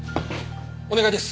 お願いです。